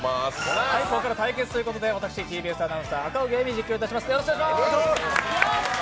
ここから対決ということで私、ＴＢＳアナウンサー、赤荻歩実況いたします。